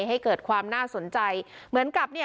ให้เกิดความน่าสนใจเหมือนกับเนี่ย